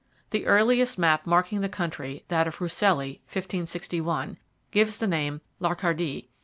The earliest map marking the country, that of Ruscelli (1561), gives the name Lacardie.